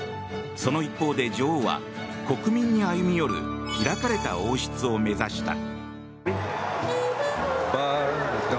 その一方で女王は国民に歩み寄る開かれた王室を目指した。